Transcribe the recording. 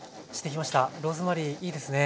ローズマリーいいですね。